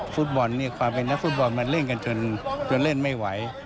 ฟุตบอลเนี่ยความเป็นนักฟุตบอลมันเล่นกันจนเล่นไม่ไหว